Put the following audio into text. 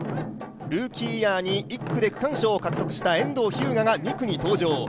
ルーキーイヤーに１区で区間賞を獲得した遠藤日向が２区に登場。